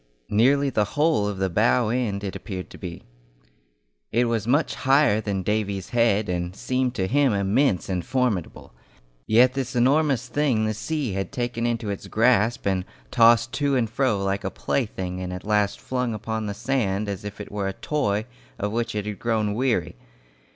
Nearly the whole of the bow end it appeared to be. It was much higher than Davy's head, and seemed to him immense and formidable; yet this enormous thing the sea had taken into its grasp and tossed to and fro like a plaything and at last flung upon the sand as if it were a toy of which it had grown weary.